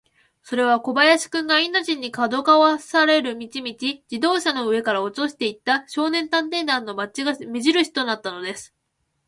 それは小林君が、インド人に、かどわかされる道々、自動車の上から落としていった、少年探偵団のバッジが目じるしとなったのです。